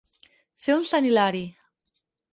Fer un sant Hilari.